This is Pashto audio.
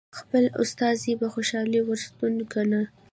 خپل استازی په خوشالۍ ور ستنوي که نه.